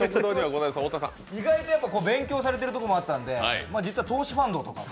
意外と勉強されてるところもあったので、実は投資ファンドとか。